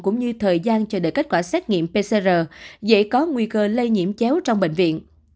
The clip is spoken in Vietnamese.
cũng như thời gian chờ đợi kết quả xét nghiệm pcr dễ có nguy cơ lây nhiễm chéo trong bệnh viện